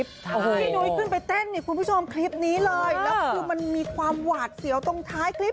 พี่นุ้ยขึ้นไปเต้นเนี่ยคุณผู้ชมคลิปนี้เลยแล้วคือมันมีความหวาดเสียวตรงท้ายคลิป